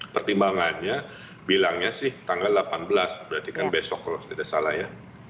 pertimbangannya bilangnya sih tanggal delapan belas berarti kan besok kalau tidak salah ya